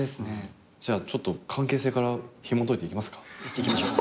じゃあちょっと関係性からひもといていきますか。いきましょう。